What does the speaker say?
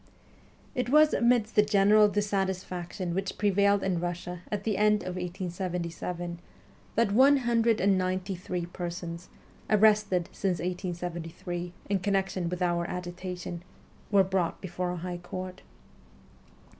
It was amidst the general dissatisfaction which prevailed in Russia at the end of 1877, that one hundred and ninety three persons, arrested since 1873, in connection with our agitation, were brought before a high court.